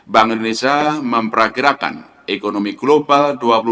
bank indonesia memperagirakan ekonomi global dua ribu dua puluh